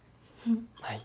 はい。